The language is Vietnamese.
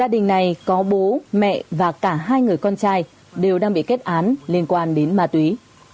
điều đang bị kết án liên quan đến ma túy